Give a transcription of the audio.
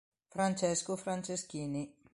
Francesco Franceschini